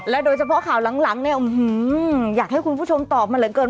โดยเฉพาะข่าวหลังเนี่ยอยากให้คุณผู้ชมตอบมาเหลือเกิน